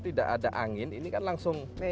tidak ada angin ini kan langsung